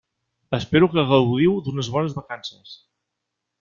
Espero que gaudiu d'unes bones vacances.